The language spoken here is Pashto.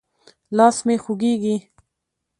لاس مې خوږېږي.